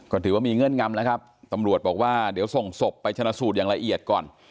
ก็ถือว่ามีเงื่อนงำแล้วครับตำรวจบอกว่าเดี๋ยวส่งศพไปชนะสูตรอย่างละเอียดก่อน